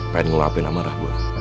pengen ngelakuin amarah gue